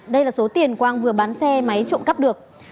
đây là số tiền quang vừa bán xe máy trộm cắp được